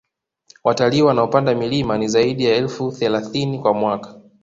Watalii wanaopanda mlima ni zaidi ya elfu thelathini kwa mwaka